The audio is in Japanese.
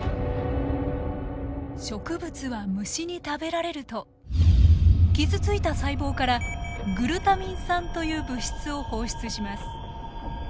植物は虫に食べられると傷ついた細胞からグルタミン酸という物質を放出します。